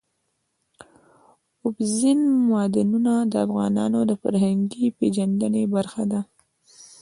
اوبزین معدنونه د افغانانو د فرهنګي پیژندنې برخه ده.